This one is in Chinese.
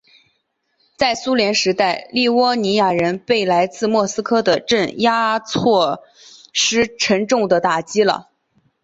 在苏联时代立窝尼亚人被来自莫斯科的镇压措施沉重地打击了。